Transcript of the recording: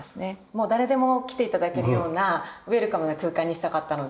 もう誰でも来て頂けるようなウェルカムな空間にしたかったので。